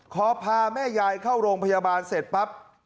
ขอพาแม่ยายเข้าโรงพยาบาลเสร็จปั๊บ